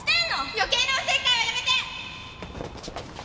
余計なおせっかいはやめて！